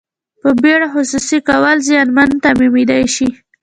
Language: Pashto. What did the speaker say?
په بیړه خصوصي کول زیانمن تمامیدای شي.